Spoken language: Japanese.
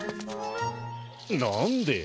なんでぇ